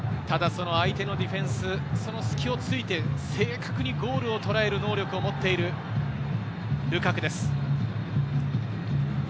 ただその相手のディフェンス、その隙を突いて正確にゴールをとらえる能力を持っているルカクです。